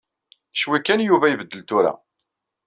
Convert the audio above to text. Ccwi kan Yuba ibeddel tura.